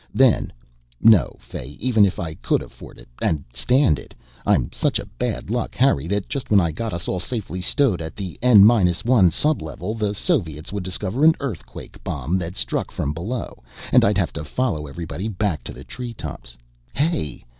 Then, "No, Fay, even if I could afford it and stand it I'm such a bad luck Harry that just when I got us all safely stowed at the N minus 1 sublevel, the Soviets would discover an earthquake bomb that struck from below, and I'd have to follow everybody back to the treetops. _Hey!